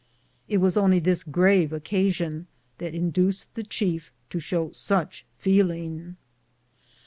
It was only this grave occasion that induced the chief to show such feeling.